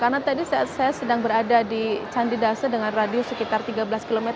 karena tadi saat saya sedang berada di candidase dengan radius sekitar tiga belas km